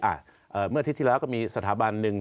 อ่ะเมื่ออาทิตย์ที่แล้วก็มีสถาบันหนึ่ง